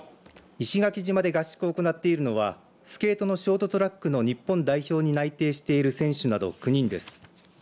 石垣島で合宿を行っているのはスケートのショートトラックの日本代表に内定している選手など９人です。